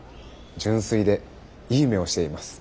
純粋でいい目をしています。